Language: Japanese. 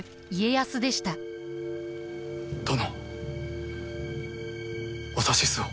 殿お指図を。